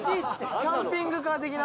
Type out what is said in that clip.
キャンピングカー的な？